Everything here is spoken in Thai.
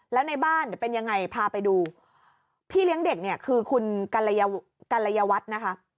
แล้วในบ้านเป็นยังไงพาไปดูพี่เลี้ยงเด็กเนี่ยคือคุณกัลยวัฒน์นะคะ